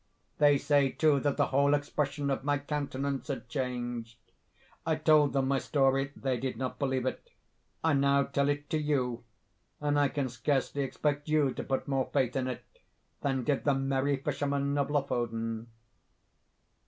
They say too that the whole expression of my countenance had changed. I told them my story—they did not believe it. I now tell it to you—and I can scarcely expect you to put more faith in it than did the merry fishermen of Lofoden."